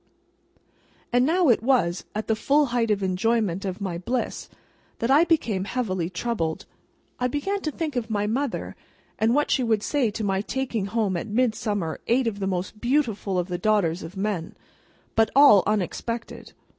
And now it was, at the full height of enjoyment of my bliss, that I became heavily troubled. I began to think of my mother, and what she would say to my taking home at Midsummer eight of the most beautiful of the daughters of men, but all unexpected.